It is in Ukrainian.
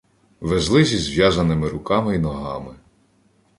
Везли зі зв'язаними руками й ногами.